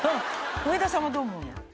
上田さんはどう思うの？